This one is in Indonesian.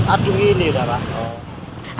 aduh ini pak